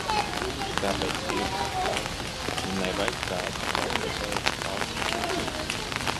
Tāpēc tiešām aicinu: nu, nevajag tādus savstarpējus asumus!